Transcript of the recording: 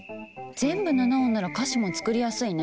全部７音なら歌詞も作りやすいね。